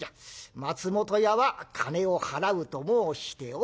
松本屋は金を払うと申しておる。